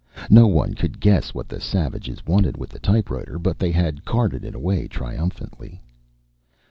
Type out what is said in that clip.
No one could guess what the savages wanted with the typewriter, but they had carted it away triumphantly.